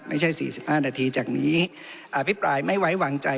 ไม่ใช่สี่สิบห้านาทีจากนี้อภิปรายไม่ไหวหวังใจ